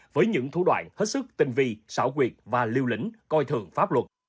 với những thủ đoạn hết sức tình vi xảo quyệt và liêu lĩnh coi thường pháp luật